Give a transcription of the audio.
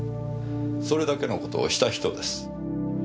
それだけの事をした人です。